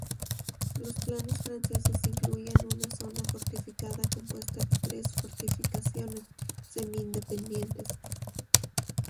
Los planes franceses incluían una zona fortificada compuesta de tres fortificaciones semi-independientes.